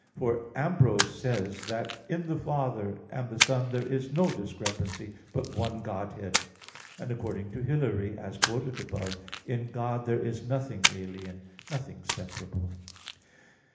For Ambrose says (De Fide i) that "in the Father and the Son there is no discrepancy, but one Godhead": and according to Hilary, as quoted above, "in God there is nothing alien, nothing separable."